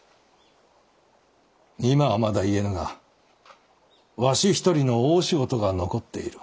今はまだ言えぬがわし一人の大仕事が残っている。